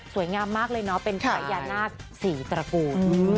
สวยงามมากเลยเนาะเป็นไขยาหน้าศรีตระกูล